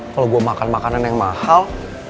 kalau gue makan makanan yang mahal